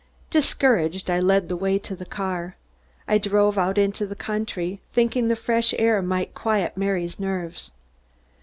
Discouraged, I led the way to the car. I drove out into the country, thinking the fresh air might quiet Mary's nerves.